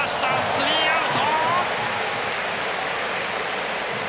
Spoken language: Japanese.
スリーアウト！